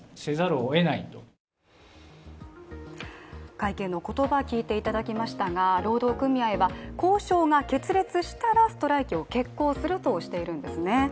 会見の言葉を聞いていただきましたが労働組合は交渉が決裂したらストライキを決行するとしているんですね。